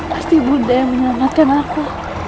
pasti buddha yang menyelamatkan aku